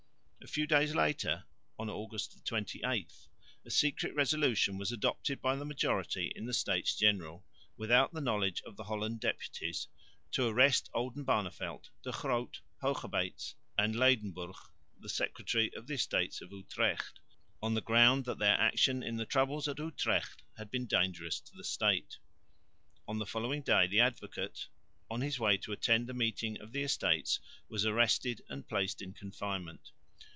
A few days later (August 28) a secret resolution was adopted by the majority in the States General, without the knowledge of the Holland deputies, to arrest Oldenbarneveldt, De Groot, Hoogerbeets and Ledenburg, the secretary of the Estates of Utrecht, on the ground that their action in the troubles at Utrecht had been dangerous to the State. On the following day the Advocate, on his way to attend the meeting of the Estates, was arrested and placed in confinement.